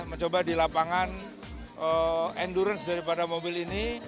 mencoba di lapangan endurance daripada mobil ini